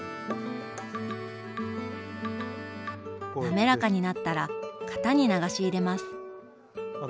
なめらかになったら型に流し入れます。